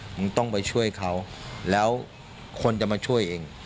ผมต้องไปช่วยเขาแล้วคนจะมาช่วยเอง